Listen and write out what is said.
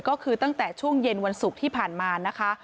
ก็คือตั้งแต่ช่วงเย็นวันศุกร์ที่ผ่านมานะคะ